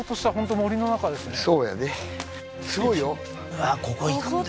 うわーここ行くんだ